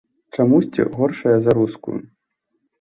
Чамусьці горшая за рускую.